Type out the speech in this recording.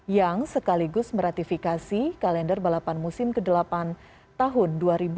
yang sekaligus meratifikasi kalender balapan musim ke delapan tahun dua ribu dua puluh satu dua ribu dua puluh dua